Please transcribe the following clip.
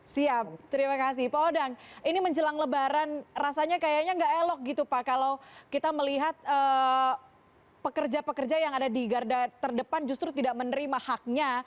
siap terima kasih pak odang ini menjelang lebaran rasanya kayaknya nggak elok gitu pak kalau kita melihat pekerja pekerja yang ada di garda terdepan justru tidak menerima haknya